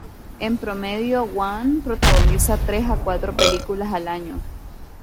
En promedio, Hwang protagoniza tres a cuatro películas al año.